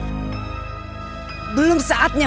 ayo di waktunya ga ke editor v